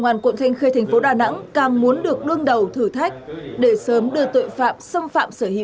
công an quận thanh khê thành phố đà nẵng càng muốn được đương đầu thử thách để sớm đưa tội phạm xâm phạm sở hữu ra ánh sáng